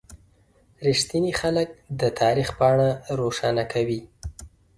• رښتیني خلک د تاریخ پاڼه روښانه کوي.